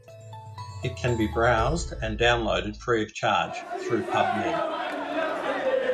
It can be browsed and downloaded free of charge through PubMed.